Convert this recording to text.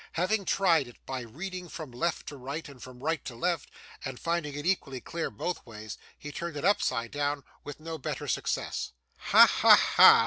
Having tried it by reading from left to right, and from right to left, and finding it equally clear both ways, he turned it upside down with no better success. 'Ha, ha, ha!